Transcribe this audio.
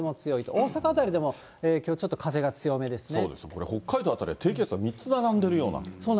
大阪辺りでも、きょうちょっと、これ、北海道辺りは低気圧が３つ並んでるような。